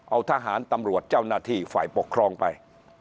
เอาทหารตำรวจเจ้าหน้าที่ฝ่ายปกครองไป